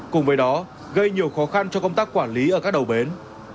cùng với đó gây nhiều khó khăn cho công tác quản lý ở các đầu bến